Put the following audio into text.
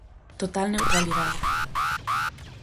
"Total neutralidade".